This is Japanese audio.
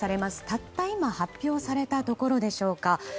たった今発表されたところでしょうか。